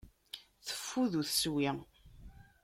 Teffud ur teswi.